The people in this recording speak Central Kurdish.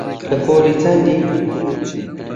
لە پۆلی چەندی؟